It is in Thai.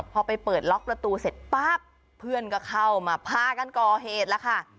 พอไปเปิดล็อกประตูเสร็จปั๊บเพื่อนก็เข้ามาพากันก่อเหตุแล้วค่ะ